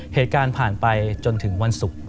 เหตุการณ์ผ่านไปจนถึงวันศุกร์